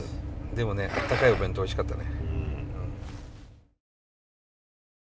でもねあったかいお弁当おいしかったね。